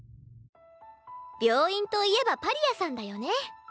病院といえばパリアさんだよね